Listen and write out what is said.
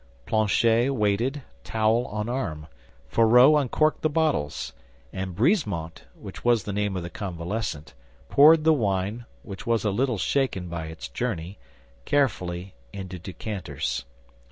Planchet waited, towel on arm; Fourreau uncorked the bottles; and Brisemont, which was the name of the convalescent, poured the wine, which was a little shaken by its journey, carefully into decanters.